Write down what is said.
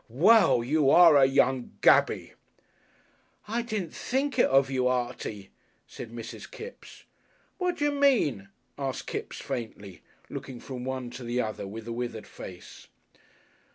"Well, you are a young Gaby." "I didn't think it of you, Artie!" said Mrs. Kipps. "Wadjer mean?" asked Kipps faintly, looking from one to the other with a withered face.